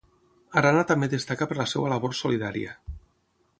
Arana també destaca per la seva labor solidària.